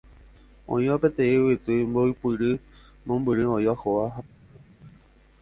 Oĩva peteĩ yvyty mboypýri mombyry oĩva hóga ha ikokuégui.